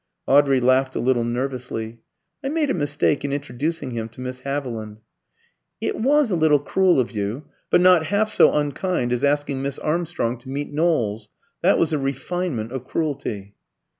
Audrey laughed a little nervously. "I made a mistake in introducing him to Miss Haviland." "It was a little cruel of you. But not half so unkind as asking Miss Armstrong to meet Knowles. That was a refinement of cruelty."